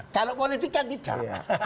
kalau politik kan tidak